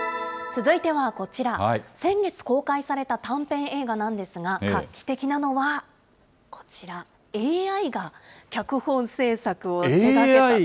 続いてはこちら、先月公開された短編映画なんですが、画期的なのはこちら、ＡＩが脚本？